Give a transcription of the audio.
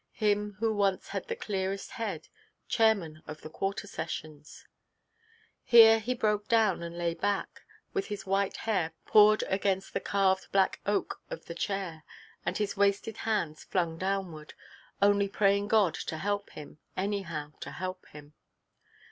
—him who once had the clearest head, chairman of the Quarter Sessions—— Here he broke down, and lay back, with his white hair poured against the carved black oak of the chair, and his wasted hands flung downward, only praying God to help him, anyhow to help him.